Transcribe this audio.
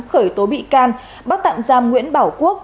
khởi tố bị can bắt tạm giam nguyễn bảo quốc